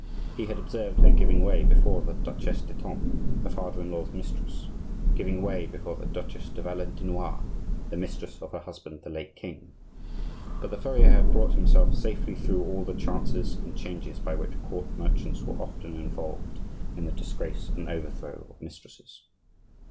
He had observed her giving way before the Duchesse d'Etampes, her father in law's mistress; giving way before the Duchesse de Valentinois, the mistress of her husband the late king. But the furrier had brought himself safely through all the chances and changes by which court merchants were often involved in the disgrace and overthrow of mistresses.